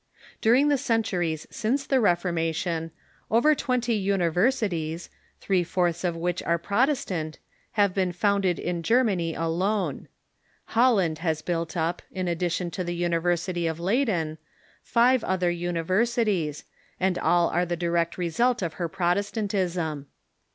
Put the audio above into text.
During the centuries since the Reforma tion over twenty universities, three fourths of Avhich are Prot estant, have been founded in Germany alone. Holland has built up, in addition to the University of Leyden, five other universities, and all are the direct result of her Protestantism.